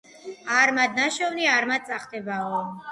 არმად ნაშოვნი არმად წახდებაო